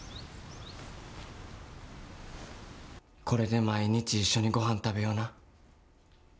これで毎日一緒にごはん食べような。